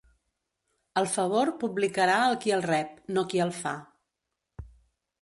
El favor publicarà el qui el rep, no qui el fa.